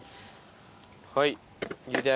はい！